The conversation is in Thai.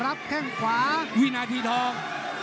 แข้งขวาวินาทีทอง